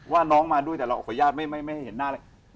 ว่าน้องมาด้วยแต่เราขออนุญาตไม่ให้เห็นหน้าอะไร